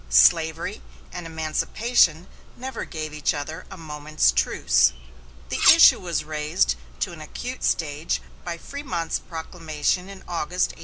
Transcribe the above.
Slavery and emancipation never gave each other a moment's truce. The issue was raised to an acute stage by Frémont's proclamation in August, 1861.